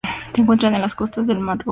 Se encuentra en las costas del Mar Rojo.